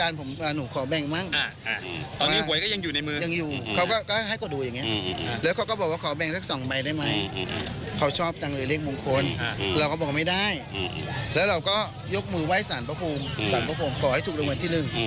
แล้วเราก็ยกมือไหว้ศาลพระภูมิศาลพระภูมิก่อให้ถูกลงมาที่หนึ่ง